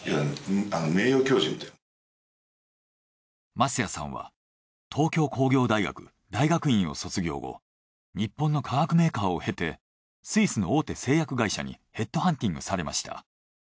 舛屋さんは東京工業大学大学院を卒業後日本の化学メーカーを経てスイスの大手製薬会社にヘッドハンティングされました。